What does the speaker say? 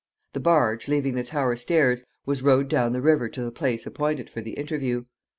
The barge, leaving the Tower stairs, was rowed down the river to the place appointed for the interview.